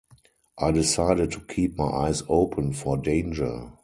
I decided to keep my eyes open for danger.